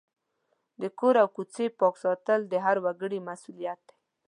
د کور او کوڅې پاک ساتل د هر وګړي مسؤلیت دی.